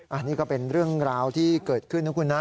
อันนี้ก็เป็นเรื่องราวที่เกิดขึ้นนะคุณนะ